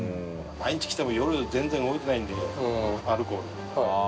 毎日来ても夜全然動いてないんで▲襯魁璽襦あぁ。